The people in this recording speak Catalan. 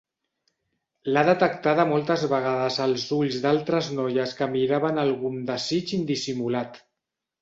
L'ha detectada moltes vegades als ulls d'altres noies que miraven algú amb desig indissimulat.